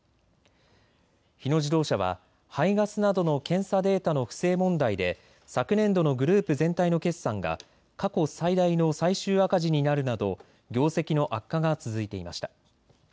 日野自動車は排ガスなどの検査データの不正問題で昨年度のグループ全体の決算が過去最大の最終赤字になるなど業績の悪化が続いていました。